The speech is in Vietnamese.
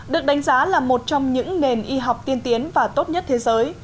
được đánh giá là một trong những nền y học tiên tiến và tốt nhất thế giới